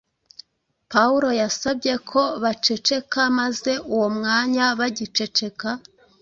Pawulo yabasabye ko baceceka maze uwo mwanya bagiceceka